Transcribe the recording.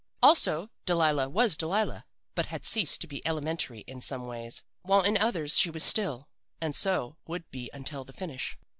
"Also Delilah was Delilah, but had ceased to be elementary in some ways, while in others she was still, and so would be until the finish.